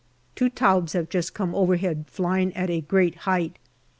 Two Taubes have just come overhead flying at a great height.